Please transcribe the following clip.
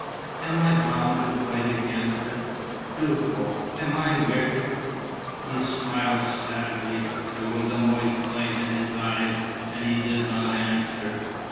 Am I bound to fight against it? Duco, am I wicked?" He smiled sadly; there was a moist light in his eyes; and he did not answer.